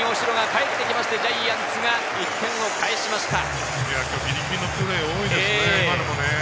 その間に大城が帰って来て、ジャイアンツが１点を返しました。